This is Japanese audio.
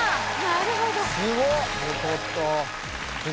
なるほど。